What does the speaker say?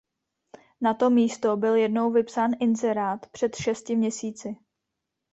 Na to místo byl jednou vypsán inzerát, před šesti měsíci.